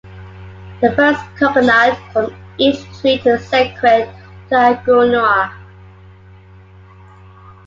The first coconut from each tree is sacred to Agunua.